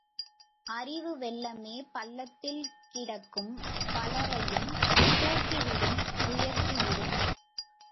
அறிவு வெள்ளமே பள்ளத்தில் கிடக்கும் பலரையும் தூக்கிவிடும் உயர்த்தி விடும்.